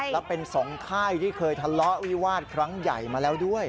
และเป็นสองค่ายที่เคยทะเลาะวิวาสครั้งใหญ่มาแล้วด้วย